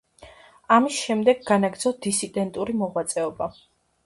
ამის შემდეგ განაგრძო დისიდენტური მოღვაწეობა.